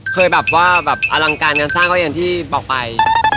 เคยแบบว่าแบบอลังการงานสร้างก็อย่างที่บอกไป